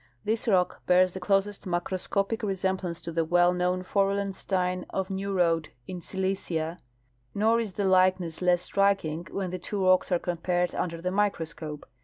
This rock bears the closest macroscopic resemblance to the well known forellenstein of Neurode in Silesia,* nor is the like ness less striking when the two rocks are compared under the microscope.